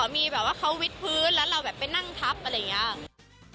มีแบบว่าเขาวิดพื้นแล้วเราแบบไปนั่งทับอะไรอย่างนี้